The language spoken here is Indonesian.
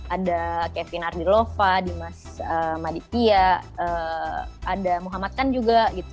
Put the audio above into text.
ada kevin ardilova dimas maditya ada muhammad kan juga gitu